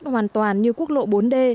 hoàn toàn như quốc lộ bốn d